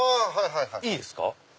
いいですか？